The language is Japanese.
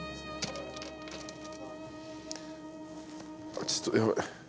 あっちょっとヤバい。